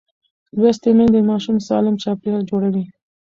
لوستې میندې د ماشوم سالم چاپېریال جوړوي.